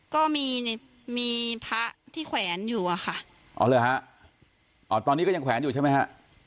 ก็มีมีพระที่แขวนอยู่อะค่ะอ๋อเหรอฮะอ๋อตอนนี้ก็ยังแขวนอยู่ใช่ไหมฮะ